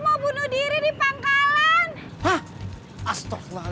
sabar mas pur